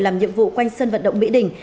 làm nhiệm vụ quanh sân vật động mỹ đình